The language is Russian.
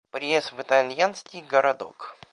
Приезд в итальянский городок.